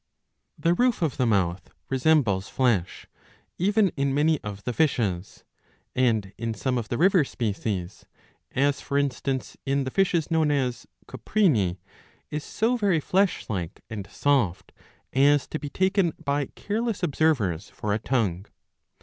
^^ The roof of the mouth resembles flesh, even in many of the fishes ; and in some of the river species, as for instance in the fishes known as Cyprini,^^ is so very flesh like and soft as to be taken by careless observers for a tongue.